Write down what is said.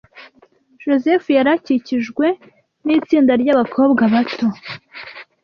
Joseph yari akikijwe nitsinda ryabakobwa bato.